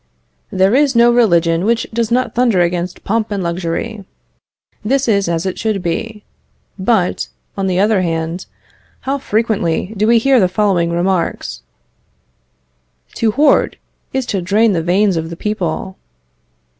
There is no religion which does not thunder against pomp and luxury. This is as it should be; but, on the other hand, how frequently do we hear the following remarks: "To hoard, is to drain the veins of the people."